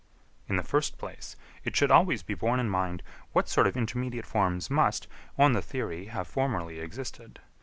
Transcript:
In the first place, it should always be borne in mind what sort of intermediate forms must, on the theory, have formerly existed.